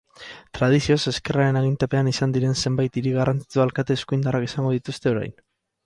Tradizioz ezkerraren agintepean izan diren zenbait hiri garrantzitsu alkate eskuindarrak izango dituzte orain.